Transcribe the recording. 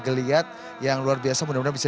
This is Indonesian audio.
geliat yang luar biasa mudah mudahan bisa